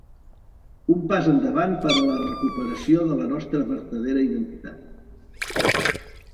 Un pas endavant per a la recuperació de la nostra vertadera identitat.